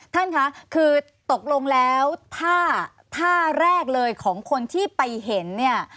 ท่านคะคือตกลงแล้วท่าท่าแรกเลยของคนที่ไปเห็นเนี่ย